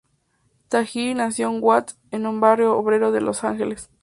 Tajiri nació en Watts, un barrio obrero de Los Ángeles.